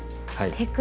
手首。